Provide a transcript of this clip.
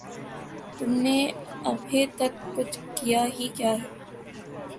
تم نے ابھے تک کچھ کیا ہی کیا ہے